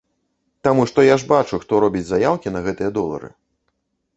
Таму што я ж бачу, хто робіць заяўкі на гэтыя долары.